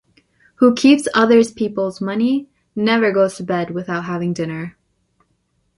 Who keeps other’s people money, never goes to bed without having dinner.